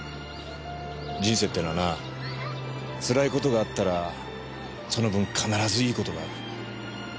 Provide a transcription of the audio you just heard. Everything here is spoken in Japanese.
人生ってのはなつらい事があったらその分必ずいい事がある。